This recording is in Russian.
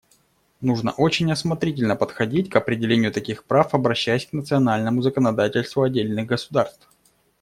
Нужно очень осмотрительно подходить к определению таких прав, обращаясь к национальному законодательству отдельных государств.